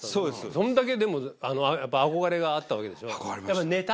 それだけ憧れがあったわけでしょやっぱネタ？